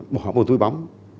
bỏ vào túi bóng